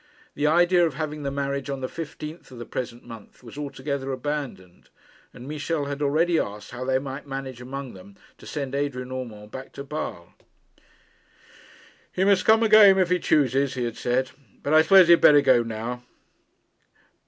The idea of having the marriage on the 1st of the present month was altogether abandoned, and Michel had already asked how they might manage among them to send Adrian Urmand back to Basle. 'He must come again, if he chooses,' he had said; 'but I suppose he had better go now.